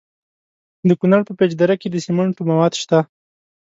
د کونړ په پیچ دره کې د سمنټو مواد شته.